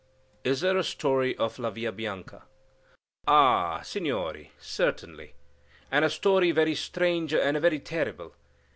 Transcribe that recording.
"Is there a story of La Villa Bianca?" "Ah, Signori, certainly; and a story very strange and very terrible.